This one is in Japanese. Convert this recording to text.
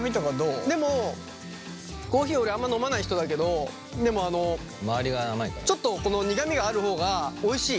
でもコーヒー俺あんま飲まない人だけどでもあのちょっとこの苦みがある方がおいしい。